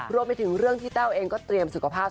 รวมไปถึงเรื่องที่แต้วเองก็เตรียมสุขภาพ